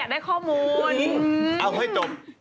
พี่หนุ่มเขาอยากได้ข้อมูล